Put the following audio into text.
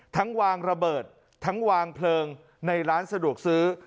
ทั้งวางระเบิดทั้งวางเพลิงในร้านสะดวกซื้อ